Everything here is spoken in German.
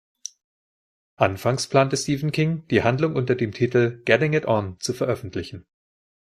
Anfangs plante Stephen King, die Handlung unter dem Titel „Getting It On“ zu veröffentlichen.